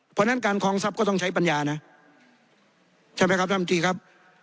เพราะฉะนั้นการคลองทรัพย์ก็ต้องใช้ปัญญานะใช่ไหมครับท่านตีครับ